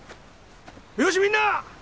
よしみんな！